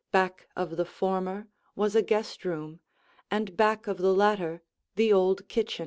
Back of the former was a guest room, and back of the latter the old kitchen.